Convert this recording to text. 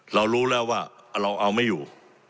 เรารู้แล้วว่าเราเอาไม่อยู่